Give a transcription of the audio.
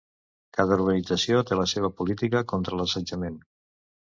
Cada organització té la seva política contra l'assetjament.